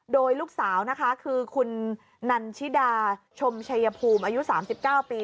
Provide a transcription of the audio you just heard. โดยลูกสาวนะคะคือคุณนันชิดาชมชัยภูมิอายุ๓๙ปี